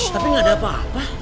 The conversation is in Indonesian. tapi gak ada apa apa